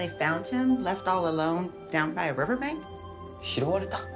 拾われた？